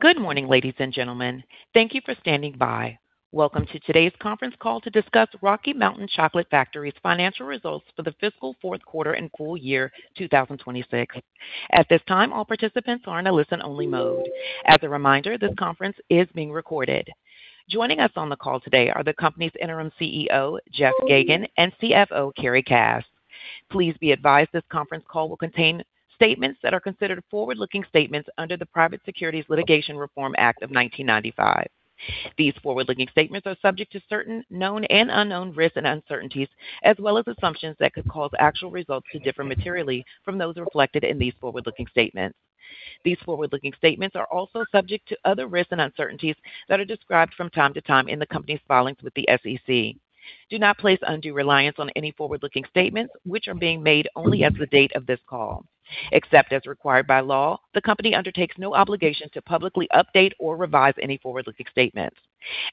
Good morning, ladies and gentlemen. Thank you for standing by. Welcome to today's conference call to discuss Rocky Mountain Chocolate Factory's financial results for the fiscal fourth quarter and full year 2026. At this time, all participants are in a listen-only mode. As a reminder, this conference is being recorded. Joining us on the call today are the company's interim CEO, Jeff Geygan, and CFO, Carrie Cass. Please be advised this conference call will contain statements that are considered forward-looking statements under the Private Securities Litigation Reform Act of 1995. These forward-looking statements are subject to certain known and unknown risks and uncertainties, as well as assumptions that could cause actual results to differ materially from those reflected in these forward-looking statements. These forward-looking statements are also subject to other risks and uncertainties that are described from time to time in the company's filings with the SEC. Do not place undue reliance on any forward-looking statements, which are being made only as of the date of this call. Except as required by law, the company undertakes no obligation to publicly update or revise any forward-looking statements.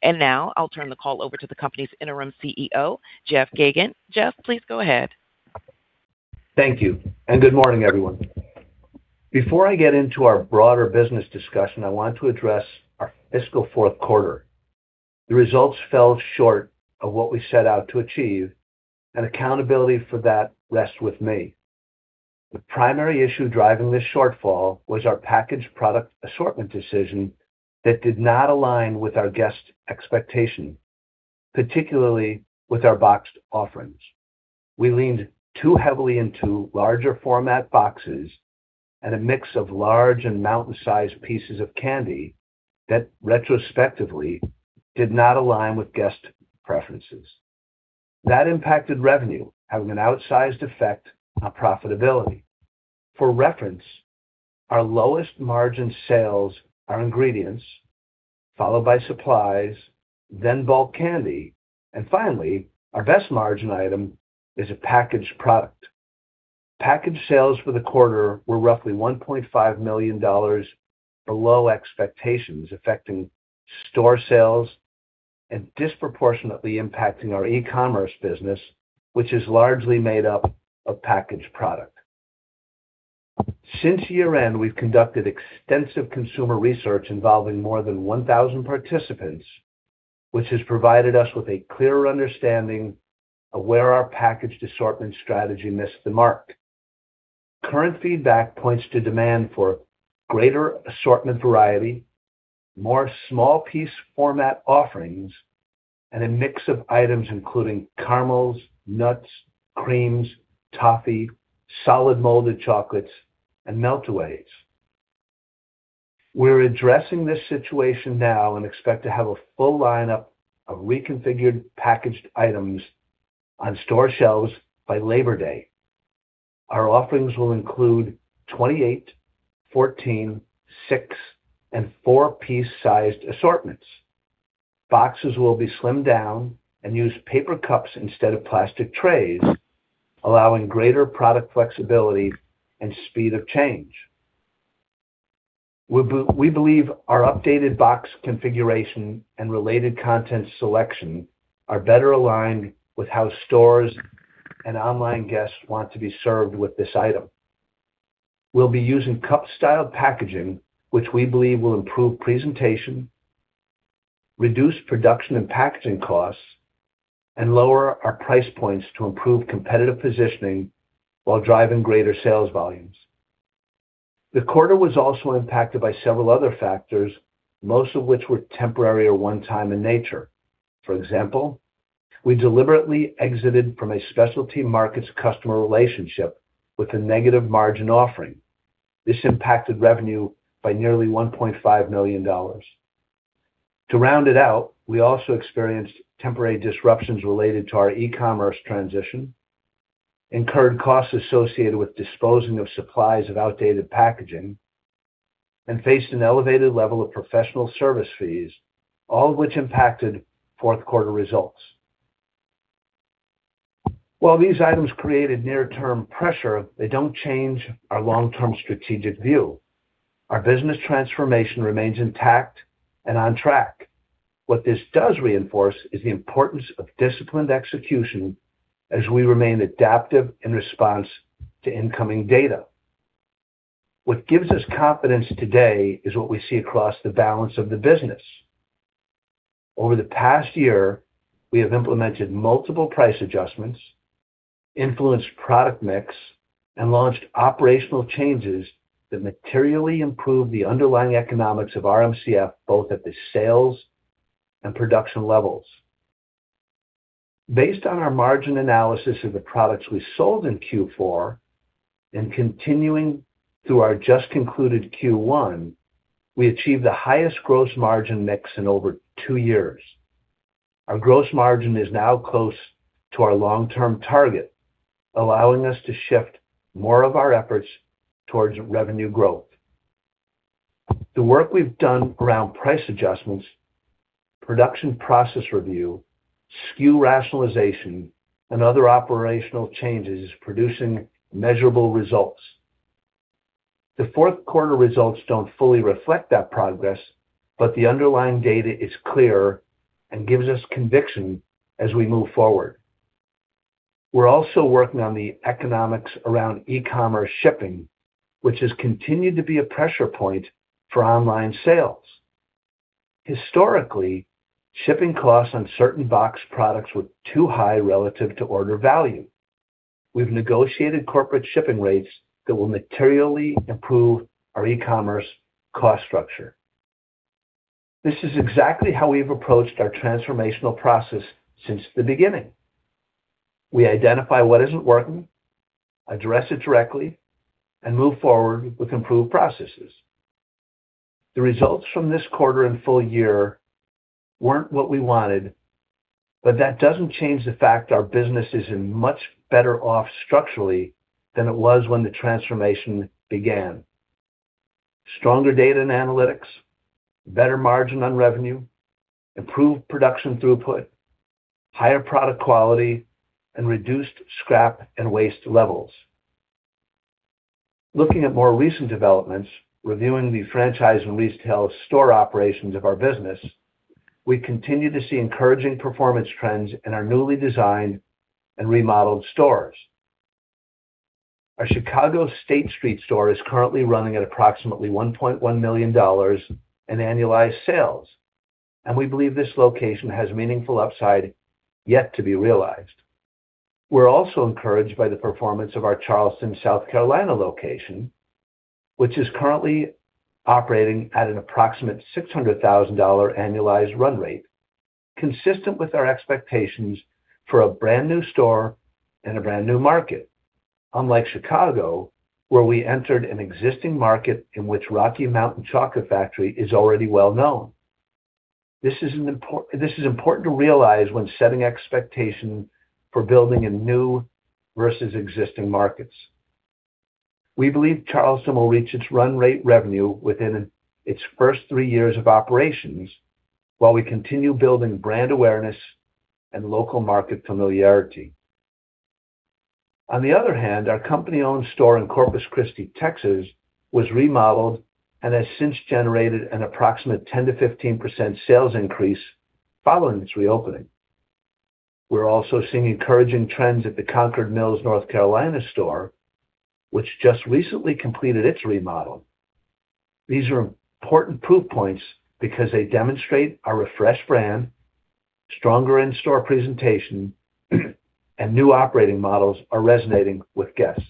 Now, I'll turn the call over to the company's interim CEO, Jeff Geygan. Jeff, please go ahead. Thank you, good morning, everyone. Before I get into our broader business discussion, I want to address our fiscal fourth quarter. The results fell short of what we set out to achieve, and accountability for that rests with me. The primary issue driving this shortfall was our packaged product assortment decision that did not align with our guest expectation, particularly with our boxed offerings. We leaned too heavily into larger format boxes and a mix of large and mountain-sized pieces of candy that retrospectively did not align with guest preferences. That impacted revenue, having an outsized effect on profitability. For reference, our lowest margin sales are ingredients, followed by supplies, then bulk candy, and finally, our best margin item is a packaged product. Packaged sales for the quarter were roughly $1.5 million below expectations, affecting store sales and disproportionately impacting our e-commerce business, which is largely made up of packaged product. Since year-end, we've conducted extensive consumer research involving more than 1,000 participants, which has provided us with a clearer understanding of where our packaged assortment strategy missed the mark. Current feedback points to demand for greater assortment variety, more small piece format offerings, and a mix of items including caramels, nuts, creams, toffee, solid molded chocolates, and meltaways. We're addressing this situation now and expect to have a full lineup of reconfigured packaged items on store shelves by Labor Day. Our offerings will include 28, 14, six, and four-piece sized assortments. Boxes will be slimmed down and use paper cups instead of plastic trays, allowing greater product flexibility and speed of change. We believe our updated box configuration and related content selection are better aligned with how stores and online guests want to be served with this item. We'll be using cup style packaging, which we believe will improve presentation, reduce production and packaging costs, and lower our price points to improve competitive positioning while driving greater sales volumes. The quarter was also impacted by several other factors, most of which were temporary or one-time in nature. For example, we deliberately exited from a specialty markets customer relationship with a negative margin offering. This impacted revenue by nearly $1.5 million. To round it out, we also experienced temporary disruptions related to our e-commerce transition, incurred costs associated with disposing of supplies of outdated packaging, and faced an elevated level of professional service fees, all of which impacted fourth quarter results. While these items created near-term pressure, they don't change our long-term strategic view. Our business transformation remains intact and on track. What this does reinforce is the importance of disciplined execution as we remain adaptive in response to incoming data. What gives us confidence today is what we see across the balance of the business. Over the past year, we have implemented multiple price adjustments, influenced product mix, and launched operational changes that materially improved the underlying economics of RMCF both at the sales and production levels. Based on our margin analysis of the products we sold in Q4 and continuing through our just concluded Q1, we achieved the highest gross margin mix in over two years. Our gross margin is now close to our long-term target, allowing us to shift more of our efforts towards revenue growth. The work we've done around price adjustments, production process review, SKU rationalization, and other operational changes is producing measurable results. The fourth quarter results don't fully reflect that progress, but the underlying data is clear and gives us conviction as we move forward. We're also working on the economics around e-commerce shipping, which has continued to be a pressure point for online sales. Historically, shipping costs on certain box products were too high relative to order value. We've negotiated corporate shipping rates that will materially improve our e-commerce cost structure. This is exactly how we've approached our transformational process since the beginning. We identify what isn't working, address it directly, and move forward with improved processes. The results from this quarter and full year weren't what we wanted, but that doesn't change the fact our business is much better off structurally than it was when the transformation began. Stronger data and analytics, better margin on revenue, improved production throughput, higher product quality, and reduced scrap and waste levels. Looking at more recent developments, reviewing the franchise and leased held store operations of our business, we continue to see encouraging performance trends in our newly designed and remodeled stores. Our Chicago State Street store is currently running at approximately $1.1 million in annualized sales, and we believe this location has meaningful upside yet to be realized. We're also encouraged by the performance of our Charleston, South Carolina location, which is currently operating at an approximate $600,000 annualized run rate, consistent with our expectations for a brand new store in a brand new market. Unlike Chicago, where we entered an existing market in which Rocky Mountain Chocolate Factory is already well known. This is important to realize when setting expectations for building in new versus existing markets. We believe Charleston will reach its run rate revenue within its first three years of operations while we continue building brand awareness and local market familiarity. On the other hand, our company-owned store in Corpus Christi, Texas, was remodeled and has since generated an approximate 10%-15% sales increase following its reopening. We're also seeing encouraging trends at the Concord Mills, North Carolina store, which just recently completed its remodel. These are important proof points because they demonstrate our refreshed brand, stronger in-store presentation, and new operating models are resonating with guests.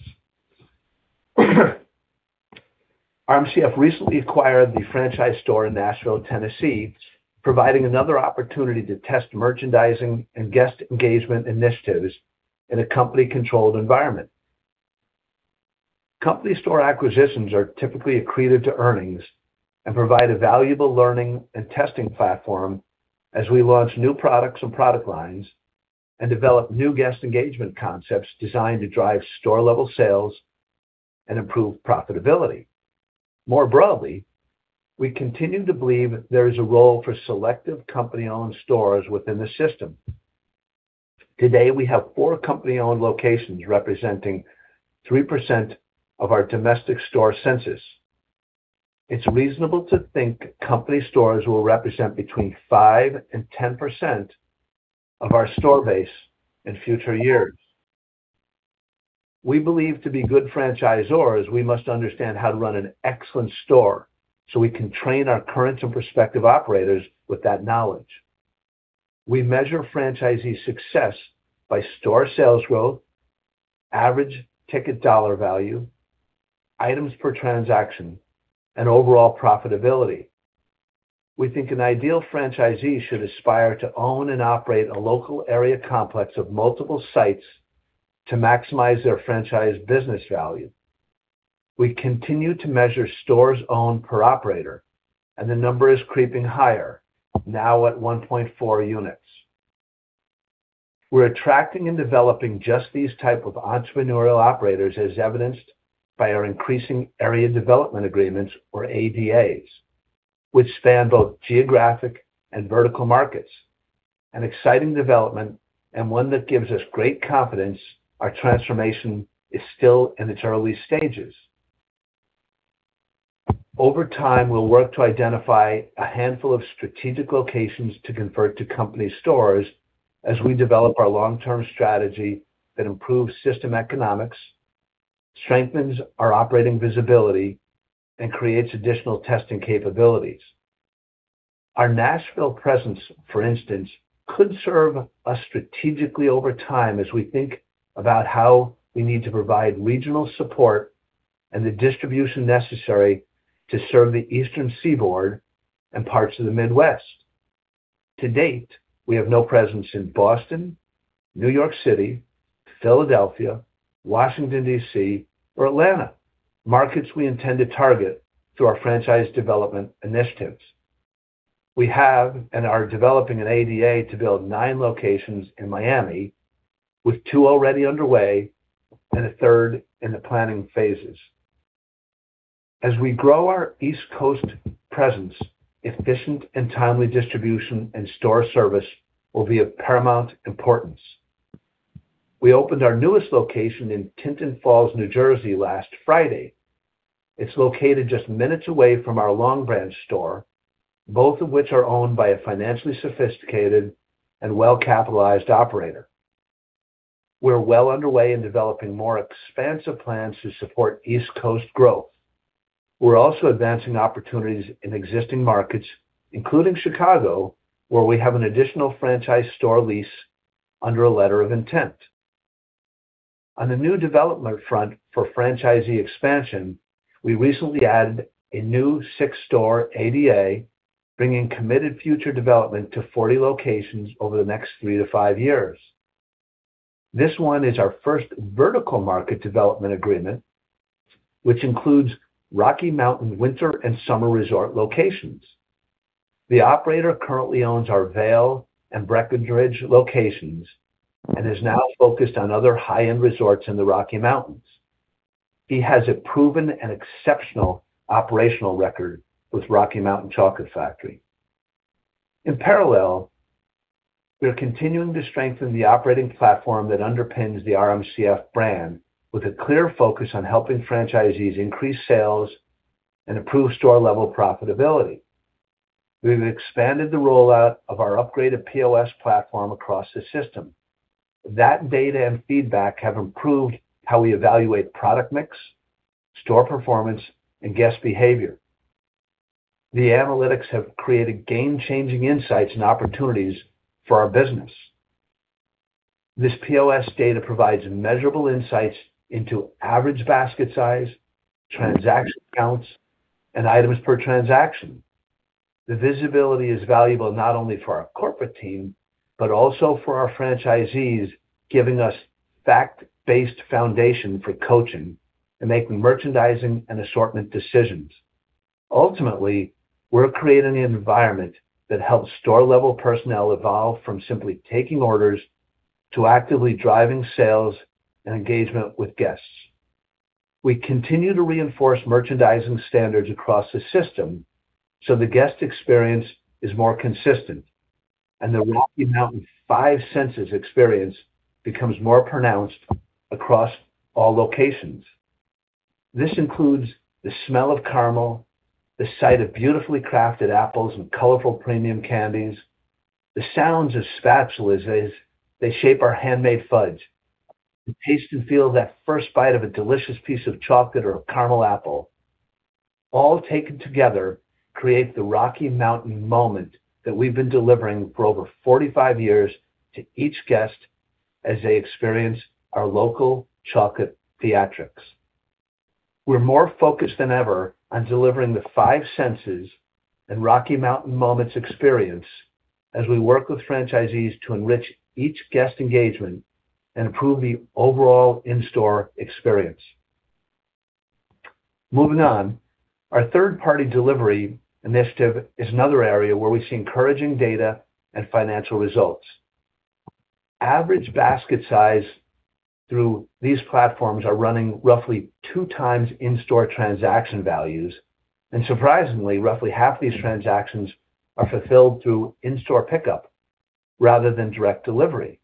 RMCF recently acquired the franchise store in Nashville, Tennessee, providing another opportunity to test merchandising and guest engagement initiatives in a company-controlled environment. Company store acquisitions are typically accretive to earnings and provide a valuable learning and testing platform as we launch new products and product lines and develop new guest engagement concepts designed to drive store level sales and improve profitability. More broadly, we continue to believe there is a role for selective company-owned stores within the system. Today, we have four company-owned locations representing 3% of our domestic store census. It's reasonable to think company stores will represent between 5% and 10% of our store base in future years. We believe to be good franchisors, we must understand how to run an excellent store so we can train our current and prospective operators with that knowledge. We measure franchisee success by store sales growth, average ticket dollar value, items per transaction, and overall profitability. We think an ideal franchisee should aspire to own and operate a local area complex of multiple sites to maximize their franchise business value. We continue to measure stores owned per operator, and the number is creeping higher, now at 1.4 units. We're attracting and developing just these type of entrepreneurial operators as evidenced by our increasing Area Development Agreements, or ADAs, which span both geographic and vertical markets. An exciting development and one that gives us great confidence our transformation is still in its early stages. Over time, we'll work to identify a handful of strategic locations to convert to company stores as we develop our long-term strategy that improves system economics, strengthens our operating visibility, and creates additional testing capabilities. Our Nashville presence, for instance, could serve us strategically over time as we think about how we need to provide regional support and the distribution necessary to serve the Eastern Seaboard and parts of the Midwest. To date, we have no presence in Boston, New York City, Philadelphia, Washington, D.C., or Atlanta, markets we intend to target through our franchise development initiatives. We have and are developing an ADA to build nine locations in Miami, with two already underway and a third in the planning phases. As we grow our East Coast presence, efficient and timely distribution and store service will be of paramount importance. We opened our newest location in Tinton Falls, New Jersey, last Friday. It's located just minutes away from our Long Branch store, both of which are owned by a financially sophisticated and well-capitalized operator. We're well underway in developing more expansive plans to support East Coast growth. We're also advancing opportunities in existing markets, including Chicago, where we have an additional franchise store lease under a letter of intent. On the new development front for franchisee expansion, we recently added a new six-store ADA, bringing committed future development to 40 locations over the next three to five years. This one is our first vertical market development agreement, which includes Rocky Mountain winter and summer resort locations. The operator currently owns our Vail and Breckenridge locations and is now focused on other high-end resorts in the Rocky Mountains. He has a proven and exceptional operational record with Rocky Mountain Chocolate Factory. In parallel, we are continuing to strengthen the operating platform that underpins the RMCF brand with a clear focus on helping franchisees increase sales and improve store-level profitability. We've expanded the rollout of our upgraded POS platform across the system. That data and feedback have improved how we evaluate product mix, store performance, and guest behavior. The analytics have created game-changing insights and opportunities for our business. This POS data provides measurable insights into average basket size, transaction counts, and items per transaction. The visibility is valuable not only for our corporate team, but also for our franchisees, giving us fact-based foundation for coaching and making merchandising and assortment decisions. Ultimately, we're creating an environment that helps store-level personnel evolve from simply taking orders to actively driving sales and engagement with guests. We continue to reinforce merchandising standards across the system so the guest experience is more consistent, and the Rocky Mountain five senses experience becomes more pronounced across all locations. This includes the smell of caramel, the sight of beautifully crafted apples and colorful premium candies, the sounds of spatulas as they shape our handmade fudge. The taste and feel of that first bite of a delicious piece of chocolate or a caramel apple, all taken together, create the Rocky Mountain moment that we've been delivering for over 45 years to each guest as they experience our local chocolate theatrics. We're more focused than ever on delivering the five senses and Rocky Mountain moments experience as we work with franchisees to enrich each guest engagement and improve the overall in-store experience. Moving on. Our third-party delivery initiative is another area where we see encouraging data and financial results. Average basket size through these platforms are running roughly 2x in-store transaction values. Surprisingly, roughly half these transactions are fulfilled through in-store pickup rather than direct delivery.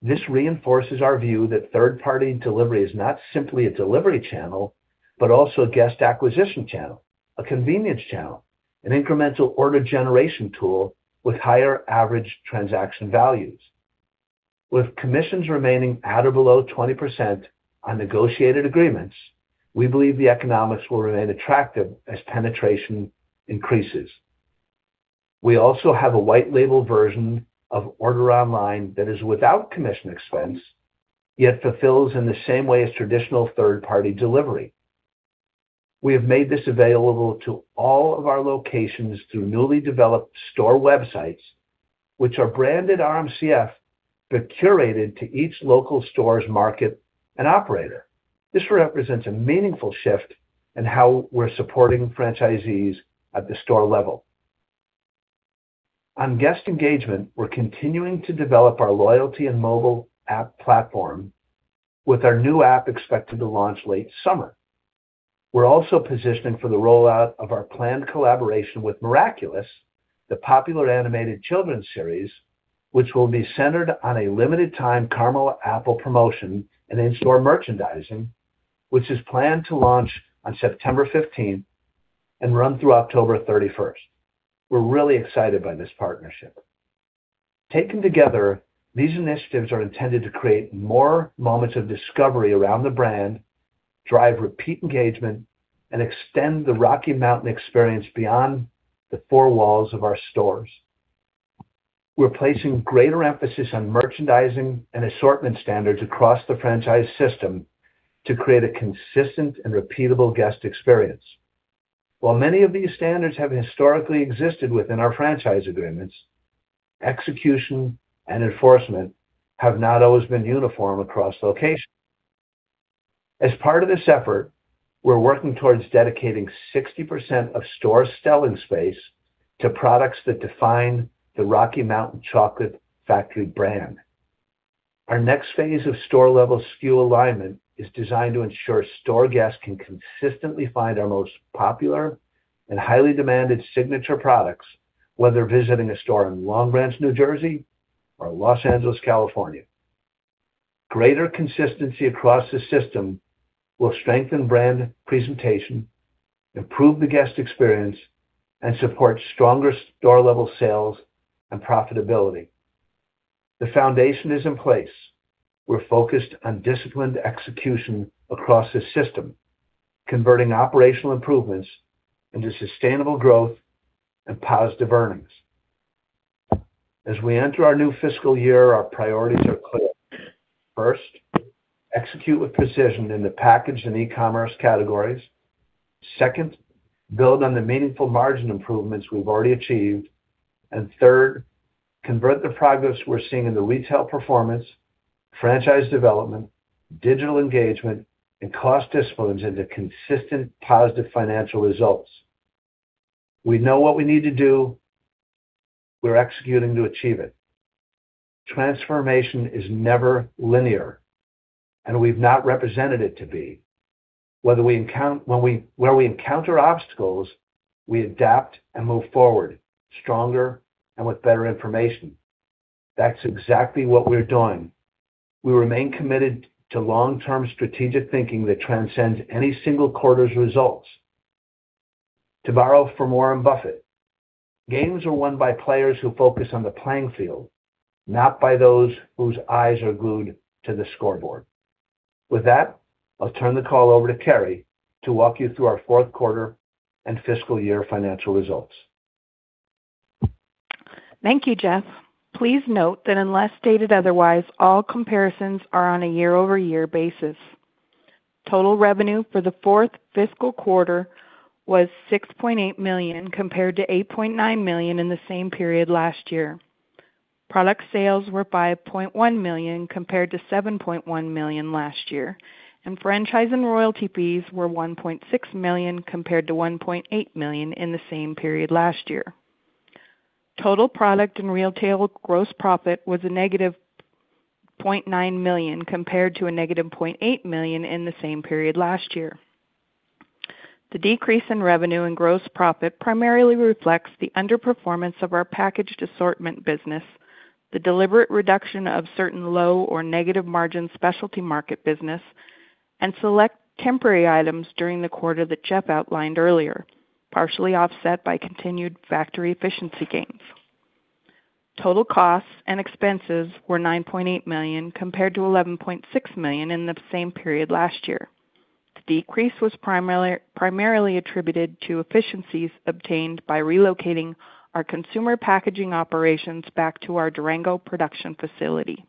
This reinforces our view that third-party delivery is not simply a delivery channel, but also a guest acquisition channel, a convenience channel, an incremental order generation tool with higher average transaction values. With commissions remaining at or below 20% on negotiated agreements, we believe the economics will remain attractive as penetration increases. We also have a white label version of order online that is without commission expense, yet fulfills in the same way as traditional third-party delivery. We have made this available to all of our locations through newly developed store websites, which are branded RMCF, but curated to each local store's market and operator. This represents a meaningful shift in how we're supporting franchisees at the store level. On guest engagement, we're continuing to develop our loyalty and mobile app platform with our new app expected to launch late summer. We're also positioning for the rollout of our planned collaboration with "Miraculous," the popular animated children's series, which will be centered on a limited time caramel apple promotion and in-store merchandising, which is planned to launch on September 15 and run through October 31st. We're really excited by this partnership. Taken together, these initiatives are intended to create more moments of discovery around the brand, drive repeat engagement, and extend the Rocky Mountain experience beyond the four walls of our stores. We're placing greater emphasis on merchandising and assortment standards across the franchise system to create a consistent and repeatable guest experience. While many of these standards have historically existed within our franchise agreements, execution and enforcement have not always been uniform across locations. As part of this effort, we're working towards dedicating 60% of store selling space to products that define the Rocky Mountain Chocolate Factory brand. Our next phase of store-level SKU alignment is designed to ensure store guests can consistently find our most popular and highly demanded signature products, whether visiting a store in Long Branch, New Jersey or Los Angeles, California. Greater consistency across the system will strengthen brand presentation, improve the guest experience, and support stronger store-level sales and profitability. The foundation is in place. We're focused on disciplined execution across the system, converting operational improvements into sustainable growth and positive earnings. As we enter our new fiscal year, our priorities are clear. First, execute with precision in the packaged and e-commerce categories. Second, build on the meaningful margin improvements we've already achieved. Third, convert the progress we're seeing in the retail performance, franchise development, digital engagement, and cost disciplines into consistent positive financial results. We know what we need to do. We're executing to achieve it. Transformation is never linear, and we've not represented it to be. Where we encounter obstacles, we adapt and move forward, stronger and with better information. That's exactly what we're doing. We remain committed to long-term strategic thinking that transcends any single quarter's results. To borrow from Warren Buffett, "Games are won by players who focus on the playing field, not by those whose eyes are glued to the scoreboard." With that, I'll turn the call over to Carrie to walk you through our fourth quarter and fiscal year financial results. Thank you, Jeff. Please note that unless stated otherwise, all comparisons are on a year-over-year basis. Total revenue for the fourth fiscal quarter was $6.8 million compared to $8.9 million in the same period last year. Product sales were $5.1 million compared to $7.1 million last year. Franchise and royalty fees were $1.6 million compared to $1.8 million in the same period last year. Total product and retail gross profit was a negative $0.9 million compared to a negative $0.8 million in the same period last year. The decrease in revenue and gross profit primarily reflects the underperformance of our packaged assortment business, the deliberate reduction of certain low or negative margin specialty market business, and select temporary items during the quarter that Jeff outlined earlier, partially offset by continued factory efficiency gains. Total costs and expenses were $9.8 million compared to $11.6 million in the same period last year. The decrease was primarily attributed to efficiencies obtained by relocating our consumer packaging operations back to our Durango production facility.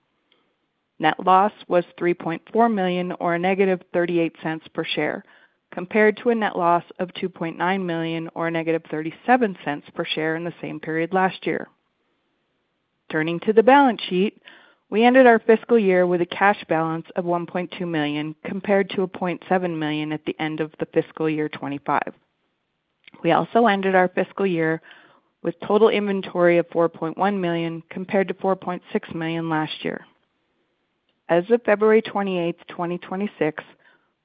Net loss was $3.4 million, or a negative $0.38 per share, compared to a net loss of $2.9 million, or a negative $0.37 per share in the same period last year. Turning to the balance sheet, we ended our fiscal year with a cash balance of $1.2 million, compared to a $0.7 million at the end of the fiscal year 2025. We also ended our fiscal year with total inventory of $4.1 million, compared to $4.6 million last year. As of February 28th, 2026,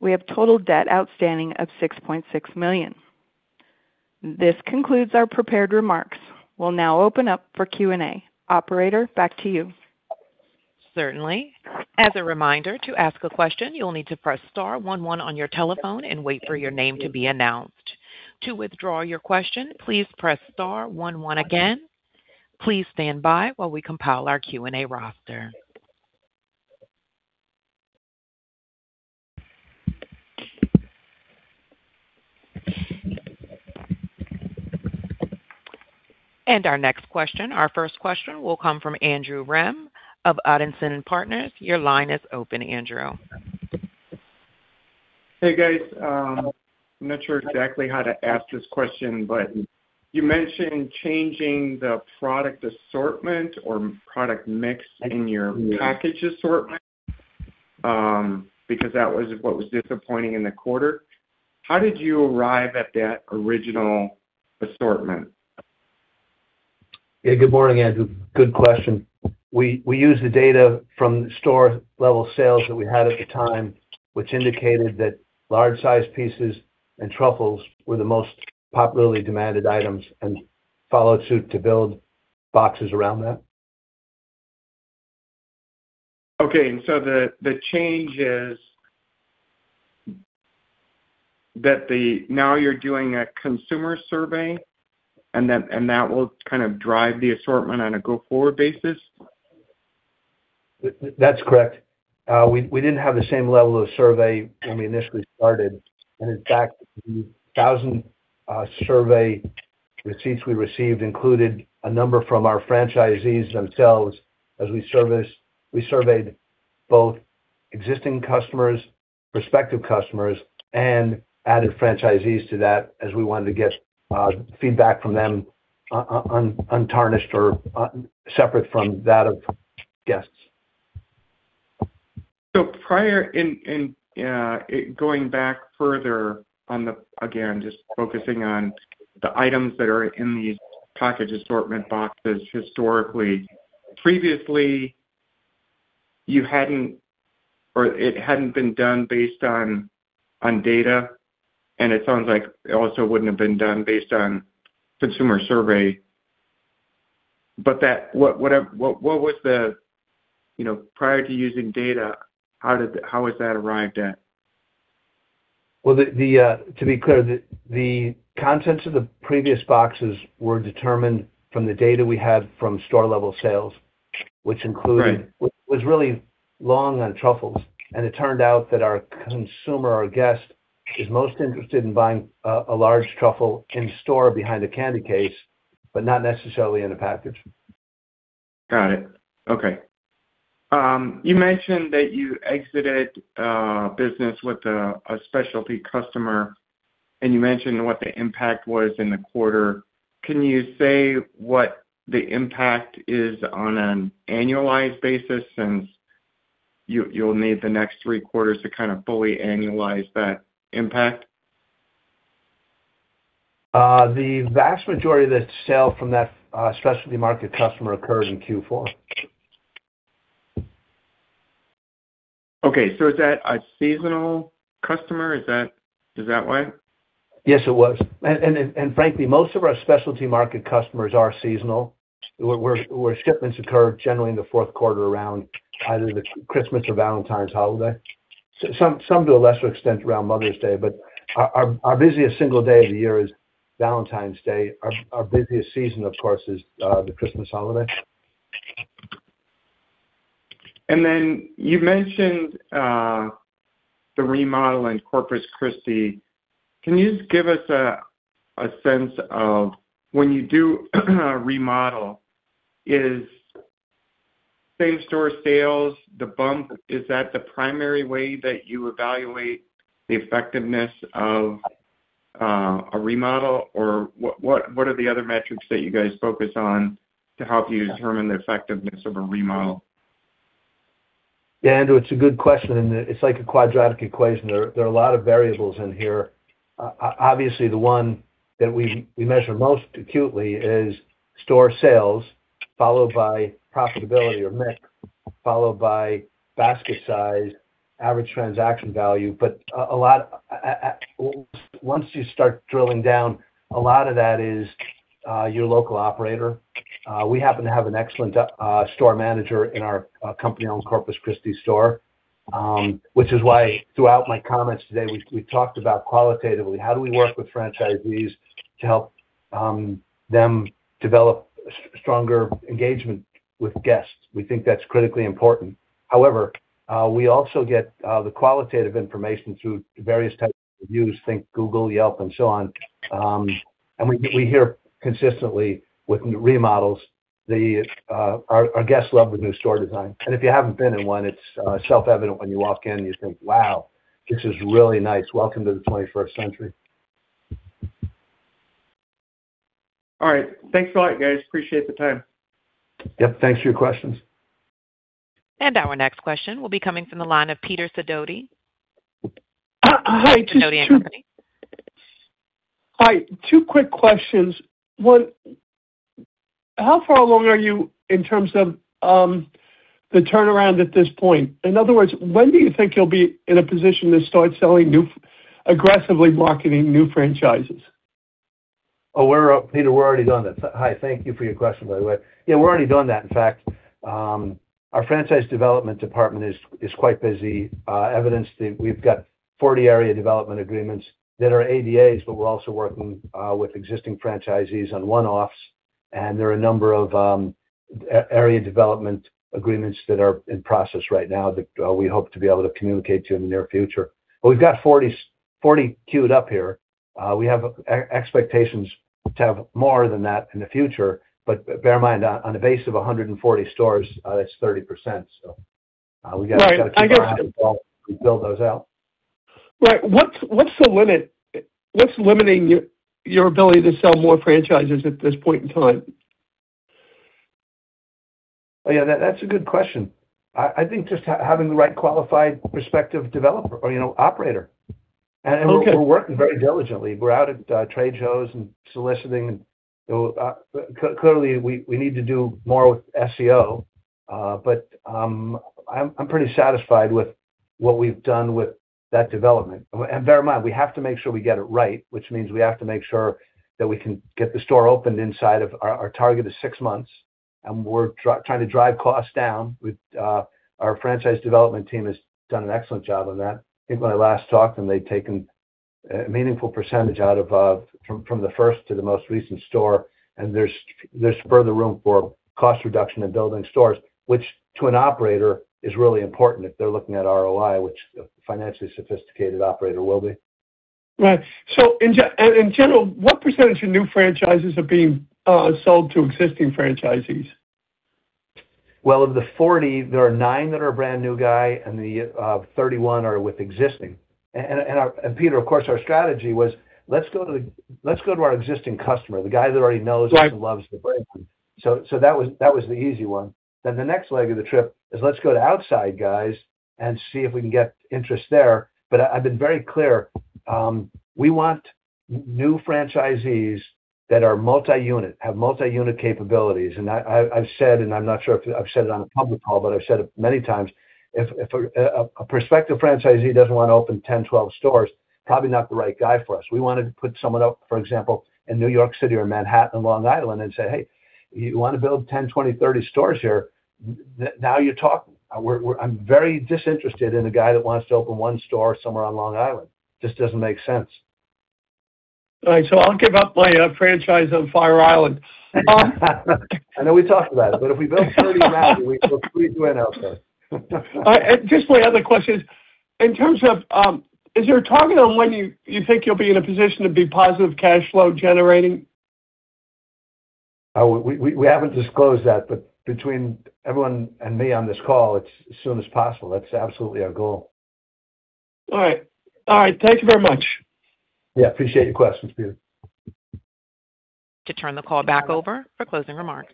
we have total debt outstanding of $6.6 million. This concludes our prepared remarks. We'll now open up for Q&A. Operator, back to you. Certainly. As a reminder, to ask a question, you'll need to press star one one on your telephone and wait for your name to be announced. To withdraw your question, please press star one one again. Please stand by while we compile our Q&A roster. Our next question, our first question, will come from Andrew Rem of Odinson Partners. Your line is open, Andrew. Hey, guys. I'm not sure exactly how to ask this question, but you mentioned changing the product assortment or product mix in your package assortment, because that was what was disappointing in the quarter. How did you arrive at that original assortment? Yeah. Good morning, Andrew. Good question. We used the data from the store-level sales that we had at the time, which indicated that large-sized pieces and truffles were the most popularly demanded items, and followed suit to build boxes around that. Okay. The change is that now you're doing a consumer survey, and that will kind of drive the assortment on a go-forward basis? That's correct. We didn't have the same level of survey when we initially started. In fact, the 1,000 survey receipts we received included a number from our franchisees themselves as we surveyed both existing customers, prospective customers, and added franchisees to that as we wanted to get feedback from them untarnished or separate from that of guests. Prior, in going back further on the, again, just focusing on the items that are in these package assortment boxes historically. Previously, it hadn't been done based on data, and it sounds like it also wouldn't have been done based on consumer survey. What was the, prior to using data, how was that arrived at? Well, to be clear, the contents of the previous boxes were determined from the data we had from store-level sales, which included. Right. Was really long on truffles. It turned out that our consumer, our guest, is most interested in buying a large truffle in-store behind a candy case, but not necessarily in a package. Got it. Okay. You mentioned that you exited a business with a specialty customer, and you mentioned what the impact was in the quarter. Can you say what the impact is on an annualized basis, since you'll need the next three quarters to kind of fully annualize that impact? The vast majority of the sale from that specialty market customer occurs in Q4. Okay. Is that a seasonal customer? Is that why? Yes, it was. Frankly, most of our specialty market customers are seasonal, where shipments occur generally in the fourth quarter around either the Christmas or Valentine's Day holiday. Some to a lesser extent around Mother's Day, but our busiest single day of the year is Valentine's Day. Our busiest season, of course, is the Christmas holiday. You mentioned the remodel in Corpus Christi. Can you just give us a sense of when you do a remodel, is same-store sales, the bump, is that the primary way that you evaluate the effectiveness of a remodel? What are the other metrics that you guys focus on to help you determine the effectiveness of a remodel? Yeah, Andrew, it's a good question, and it's like a quadratic equation. There are a lot of variables in here. Obviously, the one that we measure most acutely is store sales, followed by profitability or mix, followed by basket size, average transaction value. Once you start drilling down, a lot of that is your local operator. We happen to have an excellent store manager in our company-owned Corpus Christi store, which is why, throughout my comments today, we talked about qualitatively, how do we work with franchisees to help them develop stronger engagement with guests? We think that's critically important. However, we also get the qualitative information through various types of reviews, think Google, Yelp, and so on. We hear consistently with remodels, our guests love the new store design. If you haven't been in one, it's self-evident when you walk in, you think, "Wow, this is really nice. Welcome to the 21st century. All right. Thanks a lot, guys. Appreciate the time. Yep. Thanks for your questions. Our next question will be coming from the line of Peter Sidoti. Hi, two quick- Sidoti & Company. Hi, two quick questions. One, how far along are you in terms of the turnaround at this point? In other words, when do you think you'll be in a position to start selling aggressively marketing new franchises? Peter, we're already doing that. Thank you for your question, by the way. We're already doing that. In fact, our franchise development department is quite busy. Evidence that we've got 40 Area Development Agreements that are ADAs, but we're also working with existing franchisees on one-offs, and there are a number of Area Development Agreements that are in process right now that we hope to be able to communicate to you in the near future. We've got 40 queued up here. We have expectations to have more than that in the future, but bear in mind, on a base of 140 stores, that's 30%. We've got to build those out. Right. What's limiting your ability to sell more franchises at this point in time? Yeah, that's a good question. I think just having the right qualified prospective developer or operator. Okay. We're working very diligently. We're out at trade shows and soliciting and clearly, we need to do more with SEO, but I'm pretty satisfied with what we've done with that development. Bear in mind, we have to make sure we get it right, which means we have to make sure that we can get the store opened inside of, our target is six months, and we're trying to drive costs down. Our franchise development team has done an excellent job on that. I think when I last talked, they'd taken a meaningful percentage out from the first to the most recent store, and there's further room for cost reduction in building stores, which to an operator, is really important if they're looking at ROI, which a financially sophisticated operator will be. Right. In general, what percentage of new franchises are being sold to existing franchisees? Well, of the 40, there are nine that are a brand-new guy, and the 31 are with existing. Peter, of course, our strategy was, "Let's go to our existing customer, the guy that already knows and loves the brand. Right. That was the easy one. The next leg of the trip is, let's go to outside guys and see if we can get interest there. I've been very clear. We want new franchisees that are multi-unit, have multi-unit capabilities. I've said, and I'm not sure if I've said it on a public call, but I've said it many times, if a prospective franchisee doesn't want to open 10, 12 stores, probably not the right guy for us. We wanted to put someone up, for example, in New York City or Manhattan, Long Island, and say, "Hey, you want to build 10, 20, 30 stores here. Now you're talking." I'm very disinterested in a guy that wants to open one store somewhere on Long Island. Just doesn't make sense. All right. I'll give up my franchise on Fire Island. I know we talked about it, but if we build 30 now, we'll squeeze you in out there. All right. Just my other question is, in terms of, is there a target on when you think you'll be in a position to be positive cash flow generating? We haven't disclosed that, but between everyone and me on this call, it's as soon as possible. That's absolutely our goal. All right. Thank you very much. Yeah, appreciate your questions, Peter. To turn the call back over for closing remarks.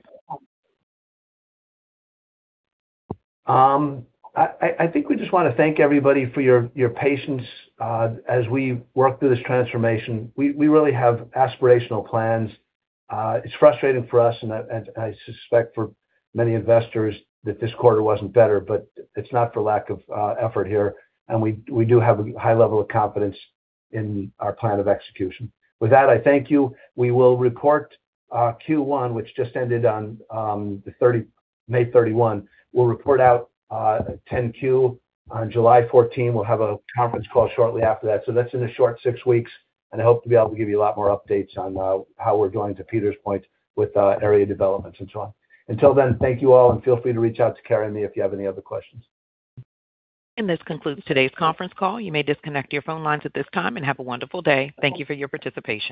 I think we just want to thank everybody for your patience as we work through this transformation. We really have aspirational plans. It's frustrating for us, and I suspect for many investors, that this quarter wasn't better, but it's not for lack of effort here. We do have a high level of confidence in our plan of execution. With that, I thank you. We will report Q1, which just ended on May 31. We'll report out a 10-Q on July 14. We'll have a conference call shortly after that. That's in a short six weeks, and I hope to be able to give you a lot more updates on how we're doing, to Peter's point, with area developments and so on. Until then, thank you all, and feel free to reach out to Carrie and me if you have any other questions. This concludes today's conference call. You may disconnect your phone lines at this time, and have a wonderful day. Thank you for your participation.